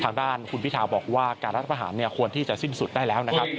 ทางด้านคุณพิทาบอกว่าการรัฐประหารควรที่จะสิ้นสุดได้แล้วนะครับ